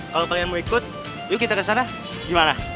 kalau pengen mau ikut yuk kita ke sana gimana